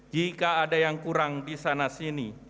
jika ada yang kurang di sana sini